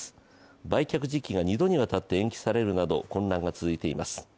売却時期が２度にわたって延期されるなど混乱が続いています。